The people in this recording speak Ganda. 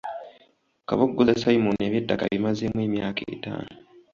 Kabogoza Simon eby'ettaka abimazeemu emyaka etaano.